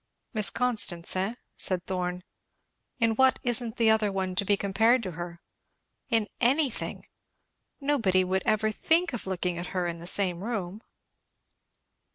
"Miss Constance, eh?" said Thorn. "In what isn't the other one to be compared to her?" "In anything! Nobody would ever think of looking at her in the same room?"